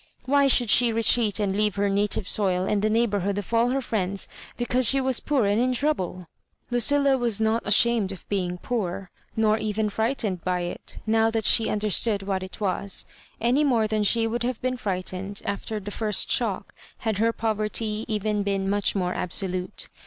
Why should she retreat and leave her native soU and the neighbourhood of all her friends because she was poor and in trou ble ? Lucilla was not ashamed of being poor — nor even frightened by it, now that she understood what it was — any more than she would have been frightened, after the first shock, had her poverty even been much more absolute.